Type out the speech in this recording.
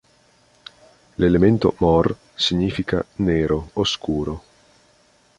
L'elemento mor significa "nero, oscuro".